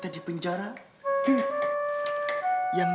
aduh ini ngetik banget